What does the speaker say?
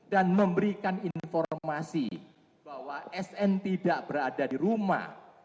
dan memberikan informasi bahwa sn tidak berada di rumah